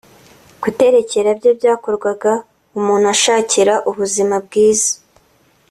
Guterekera byo byakorwaga umuntu ashakira ubuzima bwiza